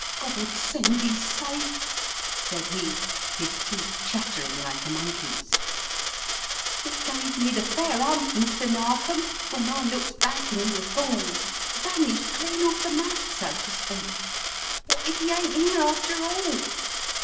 "Gawd send 'e's safe," said he, his teeth chattering like a monkey's. "It gave me the fair 'ump, Mr. Narkom, when I looks back and 'e was gone, vanished clean off the map, so to speak. Wot if 'e ain't 'ere, after all?